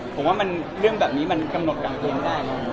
ผมว่าเรื่องแบบนี้มันกำหนดกลางเพลงได้